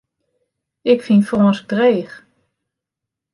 Ik fyn Frânsk dreech.